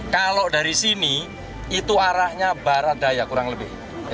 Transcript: kalau dari sini itu arahnya barat daya kurang lebih